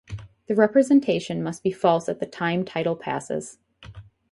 The representation must be false at the time title passes.